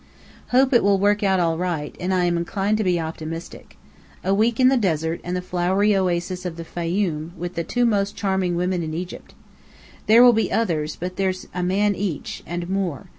Hope it will work out all right; and am inclined to be optimistic. A week in the desert and the flowery oasis of the Fayum, with the two most charming women in Egypt! There will be others, but there's a man each, and more.